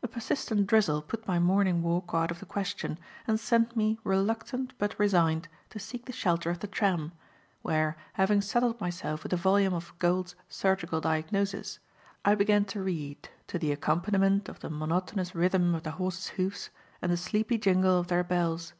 A persistent drizzle put my morning walk out of the question and sent me reluctant but resigned to seek the shelter of the tram, where having settled myself with a volume of Gould's "Surgical Diagnosis," I began to read to the accompaniment of the monotonous rhythm of the horses' hoofs and the sleepy jingle of their bells.